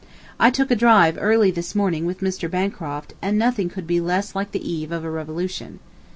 I took a drive early this morning with Mr. Bancroft, and nothing could be less like the eve of a revolution.